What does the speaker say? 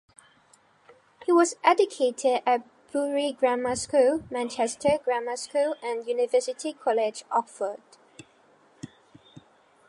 He was educated at Bury Grammar School, Manchester Grammar School and University College, Oxford.